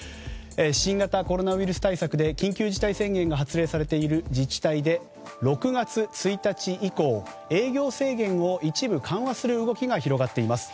新型コロナウイルス対策で緊急事態宣言が発令されている自治体で、６月１日以降営業制限を一部緩和する動きが広がっています。